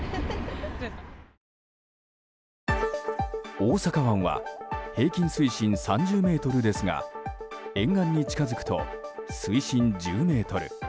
大阪湾は平均水深３０ｍですが沿岸に近づくと水深１０ｍ。